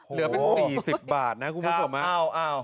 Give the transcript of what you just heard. เหลือเป็น๔๐บาทนะคุณผู้ชม